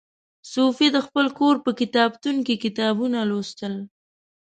صوفي د خپل کور په کتابتون کې کتابونه لوستل.